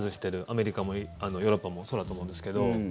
アメリカもヨーロッパもそうだと思うんですけど。